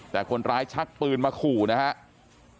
แต่คนร้ายชักปืนมาขู่นะครับ